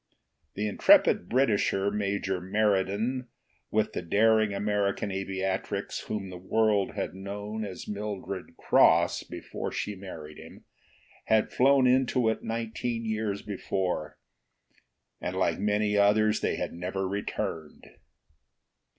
The intrepid Britisher, Major Meriden, with the daring American aviatrix whom the world had known as Mildred Cross before she married him, had flown into it nineteen years before and like many others they had never returned.